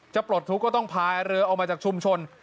ปลดทุกข์ก็ต้องพายเรือออกมาจากชุมชน